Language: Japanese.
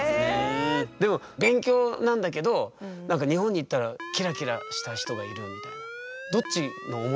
でも勉強なんだけどなんか日本に行ったらキラキラした人がいるみたいな。